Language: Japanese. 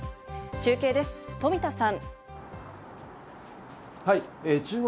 中継です、富田さん。